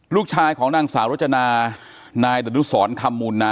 ลูกชายของนางสาวรจนานายดนุสรคำมูลนา